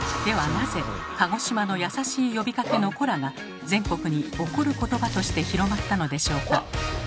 なぜ鹿児島の優しい呼びかけの「コラ」が全国に怒る言葉として広まったのでしょうか？